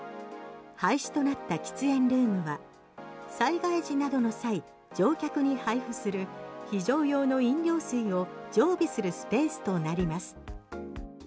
廃止となった喫煙ルームは災害時などの再乗客に配布する非常用の飲料水を常備するスペースとなります。